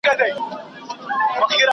قدمونه باید په احتیاط سره کیښودل سي.